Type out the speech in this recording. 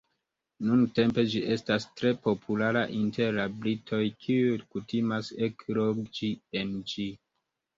Nuntempe ĝi estas tre populara inter la britoj kiuj kutimas ekloĝi en ĝi.